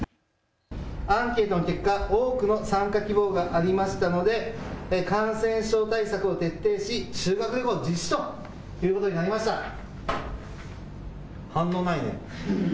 アンケートの結果、多くの参加希望がありましたので感染症対策を徹底し修学旅行実施ということになりました。